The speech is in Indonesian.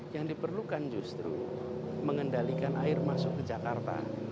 yang diperlukan justru mengendalikan air masuk ke jakarta